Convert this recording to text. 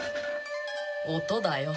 音だよ。